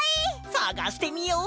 さがしてみよう！